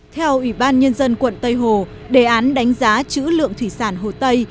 theo ủy ban nhân dân quận tây hồ đề án đánh giá chữ lượng thủy sản hồ tây